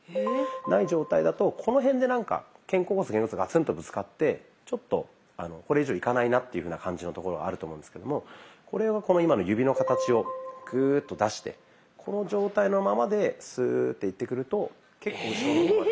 ない状態だとこの辺でなんか肩甲骨と肩甲骨がガツンとぶつかってちょっとこれ以上いかないなっていういうふうな感じのところがあると思うんですけどもこれを今の指の形をグーッと出してこの状態のままでスーッていってくると結構後ろの方まで。